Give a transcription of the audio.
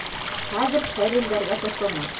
Хәҙер сәрелдәргә тотонор.